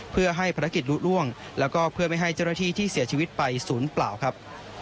เพื่อให้ภารกิจลุล่วงแล้วก็เพื่อไม่ให้เจ้าหน้าที่ที่เสียชีวิตไปศูนย์เปล่าครับ